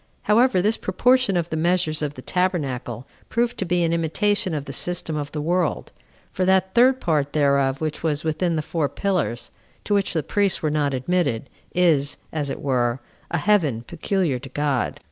However, this proportion of the measures of the tabernacle proved to be an imitation of the system of the world; for that third part thereof which was within the four pillars, to which the priests were not admitted, is, as it were, a heaven peculiar to God.